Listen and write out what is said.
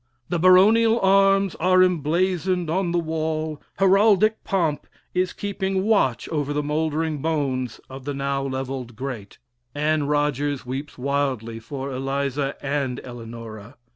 The baronial arms are emblazoned on the wall; heraldic pomp is keeping watch over the mouldering bones of the now levelled great. Anne Rogers weeps wildly for Eliza and Eleanora.